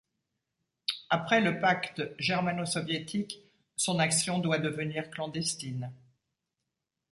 Après le pacte germano-soviétique, son action doit devenir clandestine.